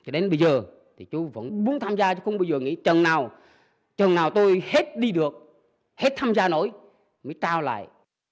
đến bây giờ chú vẫn muốn tham gia chứ không bao giờ nghĩ trần nào tôi hết đi được hết tham gia nổi mới trao lại